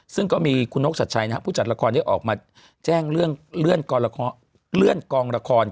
ซึ่งก็มีคุณนกชัดชัยนะครับผู้จัดละครได้ออกมาแจ้งเรื่องเลื่อนกองละคร